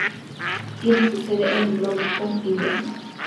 Tiene su sede en Bloomington, Illinois.